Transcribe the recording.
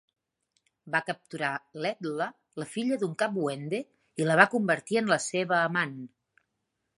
Va capturar l'Edla, la filla d'un cap wende, i la va convertir en la seva amant.